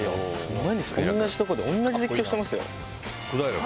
毎日同じとこで同じ絶叫してますよ。